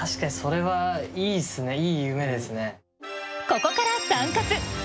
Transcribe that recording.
ここから「タンカツ」。